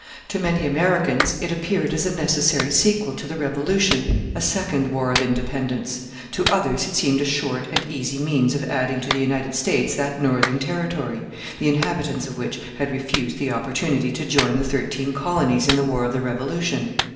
To many Americans it appeared as a necessary sequel to the Revolution, a second War of Independence; to others it seemed a short and easy means of adding to the United States that northern territory, the inhabitants of which had refused the opportunity to join the Thirteen Colonies in the War of the Revolution.